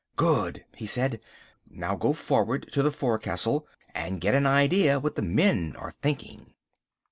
"Good," he said, "now go forward to the forecastle and get an idea what the men are thinking."